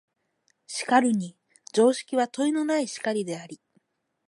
しかるに常識は問いのない然りであり、